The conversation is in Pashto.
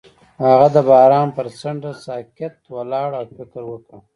هغه د باران پر څنډه ساکت ولاړ او فکر وکړ.